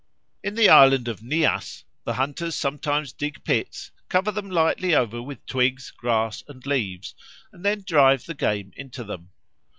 In the island of Nias the hunters sometimes dig pits, cover them lightly over with twigs, grass, and leaves, and then drive the game into them.